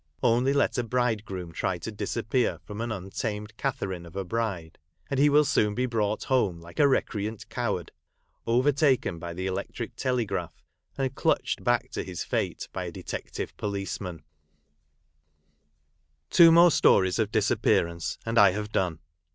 Only let a bridegroom try to disappear from an untamed Katkerine of a bride, and he will soon be brought home like a recreant coward, overtaken by the electric telegraph, and clutched back to his fate by a Detective policeman. Charles Dickon?.] DISAPPEARANCES' 249 Two more stories of disappearance, and I have done.